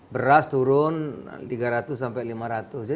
beras turun tiga ratus sampai lima ratus